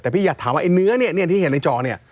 แต่พี่อยากถามว่าเนื้อที่เห็นในจอเนี่ย